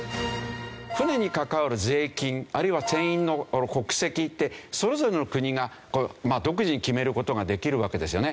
船に関わる税金あるいは船員の国籍ってそれぞれの国が独自に決める事ができるわけですよね。